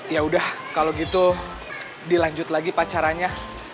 yaudah kalau gitu dilanjut lagi pacaranya